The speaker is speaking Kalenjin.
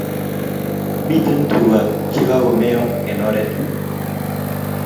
Miten tuka che kakomeyo en oret .